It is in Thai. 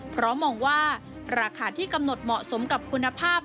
เพราะมองว่าราคาที่กำหนดเหมาะสมกับคุณภาพ